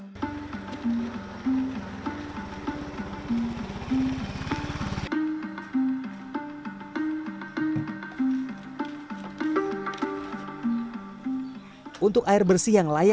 tapi untuk bayangan kan